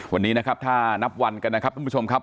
วันนี้นะครับถ้านับวันกันนะครับทุกผู้ชมครับ